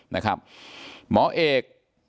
นะครับหมอเอก